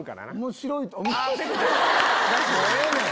もうええねん！